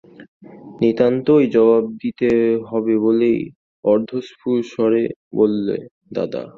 নিতান্তই জবাব দিতে হবে বলেই অর্ধস্ফুটস্বরে বললে, দাদা।